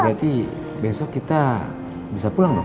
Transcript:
berarti besok kita bisa pulang dong